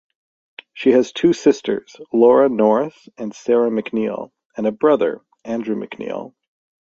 She has two sisters, Laura Norris and Sarah McNeil, and a brother, Andrew McNeil.